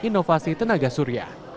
inovasi tenaga surya